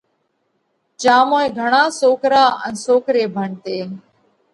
جيا موئين گھڻا سوڪرا ان سوڪري ڀڻتي۔